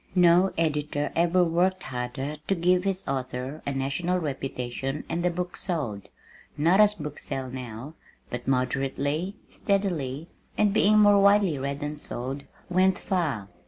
No editor ever worked harder to give his author a national reputation and the book sold, not as books sell now, but moderately, steadily, and being more widely read than sold, went far.